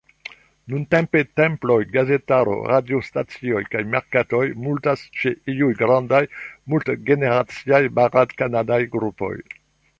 Nuntempe temploj, gazetaro, radiostacioj, kaj merkatoj multas ĉe iuj grandaj, mult-generaciaj barat-kanadaj grupoj.